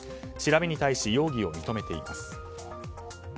調べに対し容疑を認めています。